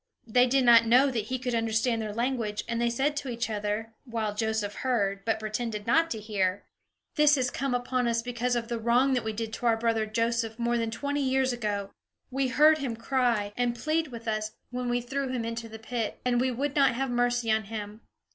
They did not know that he could understand their language, and they said to each other, while Joseph heard, but pretended not to hear: "This has come upon us because of the wrong that we did to our brother Joseph, more than twenty years ago. We heard him cry, and plead with us, when we threw him into the pit, and we would not have mercy on him.